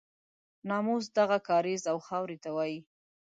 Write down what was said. ناموس دغه کاریز او خاورې ته وایي.